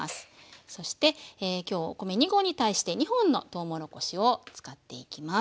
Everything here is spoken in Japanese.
そして今日お米２合に対して２本のとうもろこしを使っていきます。